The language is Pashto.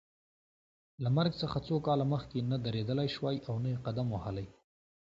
له مرګ څخه څو کاله مخکې نه درېدلای شوای او نه یې قدم وهلای.